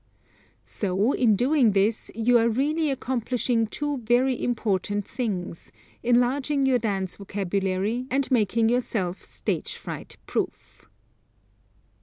So in doing this you are really accomplishing two very important things, enlarging your dance vocabulary and making yourself stage fright proof.